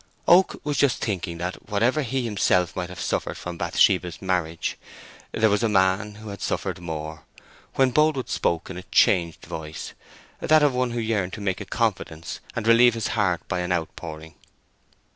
Oak was just thinking that whatever he himself might have suffered from Bathsheba's marriage, here was a man who had suffered more, when Boldwood spoke in a changed voice—that of one who yearned to make a confidence and relieve his heart by an outpouring.